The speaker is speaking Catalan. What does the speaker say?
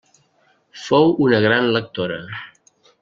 Fou una gran lectora.